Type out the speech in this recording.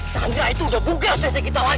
chandra itu udah bungka sensei kita lagi